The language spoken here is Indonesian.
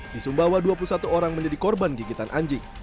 di sumbawa dua puluh satu orang menjadi korban gigitan anjing